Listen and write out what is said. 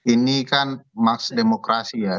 ini kan maks demokrasi ya